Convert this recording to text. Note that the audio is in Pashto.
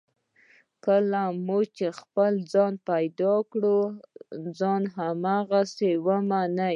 کله مو هم چې خپل ځان پیدا کړ، ځان هماغسې ومنئ.